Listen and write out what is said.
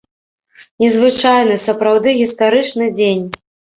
Незвычайны, сапраўды гістарычны дзень!